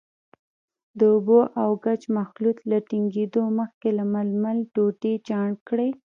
د اوبو او ګچ مخلوط له ټینګېدو مخکې له ململ ټوټې چاڼ کړئ.